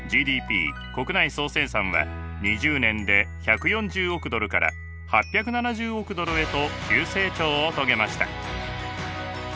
ＧＤＰ国内総生産は２０年で１４０億ドルから８７０億ドルへと急成長を遂げました。